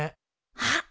あっ！